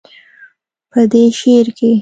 پۀ دې شعر کښې